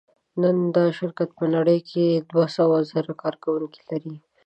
نن دا شرکت په نړۍ کې دوهسوهزره کارکوونکي لري.